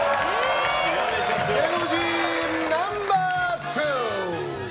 芸能人ナンバー２。